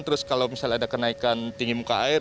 terus kalau misalnya ada kenaikan tinggi muka air